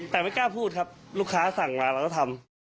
แต่ไม่กล้าพูดครับลูกค้าสั่งมาเราก็ทำ